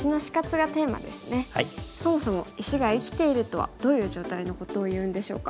そもそも石が生きているとはどういう状態のことをいうんでしょうか。